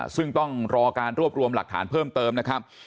ซึ่งต้องรอการรวบรวมหลักฐานเพิ่มเติมนะครับ